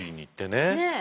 ねえ。